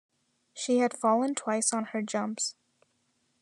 She had fallen twice on her jumps.